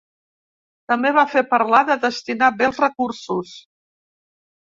També va fer parlar de destinar bé els recursos.